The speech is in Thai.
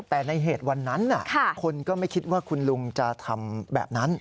แต่ในเหตุวันนั้นคนก็ไม่คิดว่าคุณลุงจะทำแบบนั้น